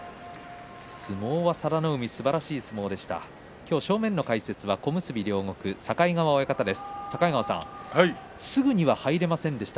相撲は佐田の海すばらしい相撲でした。